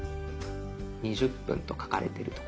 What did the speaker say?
２０分と書かれてる所。